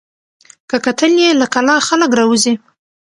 که کتل یې له کلا خلک راوزي